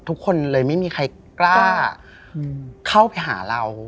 ทุกคนเลยไม่มีใครกล้าเข้าไปหาเรา